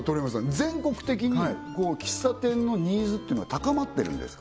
全国的に喫茶店のニーズってのは高まってるんですか？